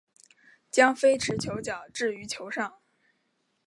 将非持球脚置于球上。